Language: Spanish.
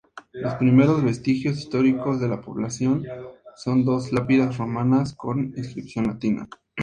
Los primeros vestigios históricos de la población son dos lápidas romanas con inscripción latina.